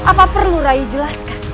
apa perlu rai jelaskan